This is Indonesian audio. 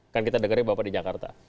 kan kita dengarnya bapak di jakarta